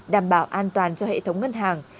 đảm bảo an toàn cho hệ thống ngân hàng